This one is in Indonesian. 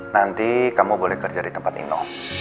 nanti kamu boleh kerja di tempat ini